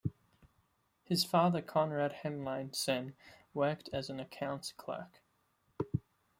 His father Konrad Henlein sen. worked as an accounts clerk.